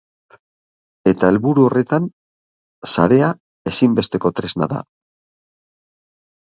Eta helburu horretan, sarea ezinbesteko tresna da.